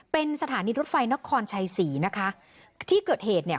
เป็นสถานีรถไฟนครชัยศรีนะคะที่เกิดเหตุเนี่ย